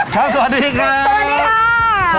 ครับสวัสดีครับ